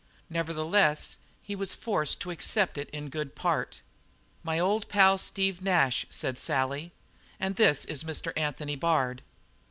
Nevertheless he was forced to accept it in good part. "My old pal, Steve Nash," said Sally, "and this is Mr. Anthony Bard."